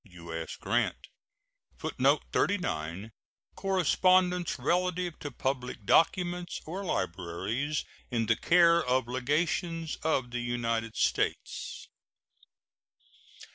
U.S. GRANT. [Footnote 39: Correspondence relative to public documents or libraries in the care of legations of the United States.